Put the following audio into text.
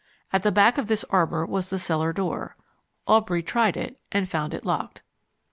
At the back of this arbour was the cellar door. Aubrey tried it, and found it locked.